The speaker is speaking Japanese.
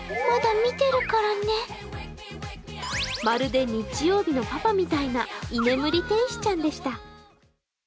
まるで日曜日のパパみたいな居眠り天使ちゃんでした。